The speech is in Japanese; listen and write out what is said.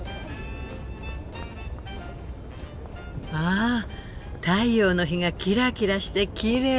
ああ太陽の日がキラキラしてきれい。